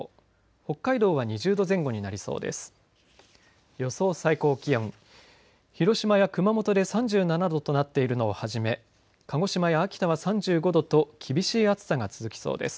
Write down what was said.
北海道は２０度前後になりそうです。